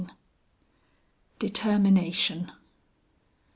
DETERMINATION.